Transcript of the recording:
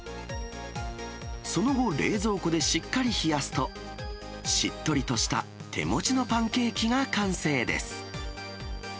その後、冷蔵庫でしっかり冷やすと、しっとりとした手持ちのパンケーキが完成です。